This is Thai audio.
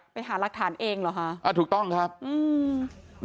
ไปหารักฐานเองเหรอฮะอ่าถูกต้องครับอืม